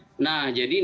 nah jadi nanti kita lihat